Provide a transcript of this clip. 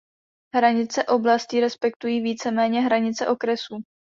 Hranice oblastí respektují víceméně hranice okresů.